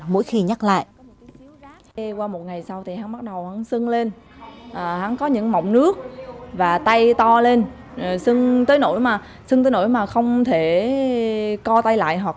mỗi khi nhắc lại